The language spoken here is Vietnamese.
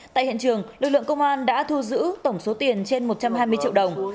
tại hiện trường lực lượng công an đã thu giữ tổng số tiền trên một trăm hai mươi triệu đồng